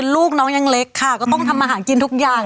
ลูกน้องยังเล็กค่ะก็ต้องทำอาหารกินทุกอย่าง